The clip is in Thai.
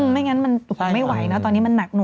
ไม่งั้นมันไม่ไหวนะตอนนี้มันหนักหนวบมากจริง